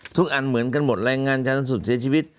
ทุกอันเหมือนกันหมดรายงานชนสุดเสียชีวิต